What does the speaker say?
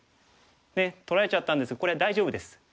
ねえ取られちゃったんですけどこれは大丈夫です。